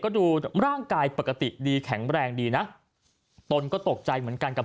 ก็ดูร่างกายปกติดีแข็งแรงดีนะตนก็ตกใจเหมือนกันกับ